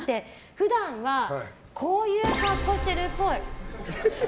普段はこういう格好してるっぽい。